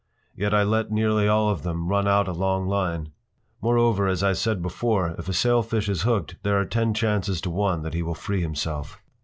Yet I let nearly all of them run out a long line. Moreover, as I said before, if a sailfish is hooked there are ten chances to one that he will free himself.